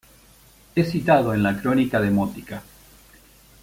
Es citado en la "Crónica Demótica".